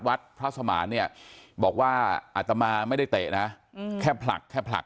วัดพระสมานเนี่ยบอกว่าอัตมาไม่ได้เตะนะแค่ผลักแค่ผลัก